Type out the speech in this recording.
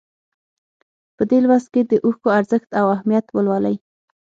په دې لوست کې د اوښکو ارزښت او اهمیت ولولئ.